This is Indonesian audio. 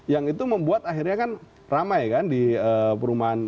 yang itu membuat akhirnya kan ramai kan di perumahan